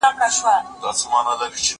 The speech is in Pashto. زه به سبا د کتابتون لپاره کار وکړم!